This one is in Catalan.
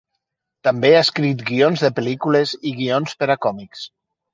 També ha escrit guions de pel·lícules i guions per a còmics.